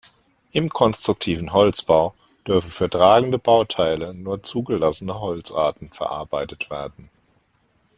Im konstruktiven Holzbau dürfen für tragende Bauteile nur zugelassene Holzarten verarbeitet werden.